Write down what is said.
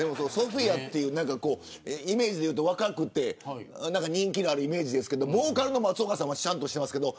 ＳＯＰＨＩＡというイメージで言うと若くて人気のあるイメージですけどボーカルの松岡さんはしゃんとしてますけど。